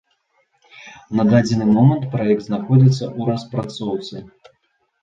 На дадзены момант праект знаходзіцца ў распрацоўцы.